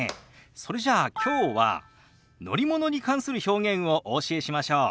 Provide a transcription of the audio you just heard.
それじゃあきょうは乗り物に関する表現をお教えしましょう。